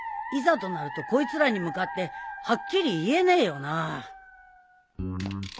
いざとなるとこいつらに向かってはっきり言えねえよな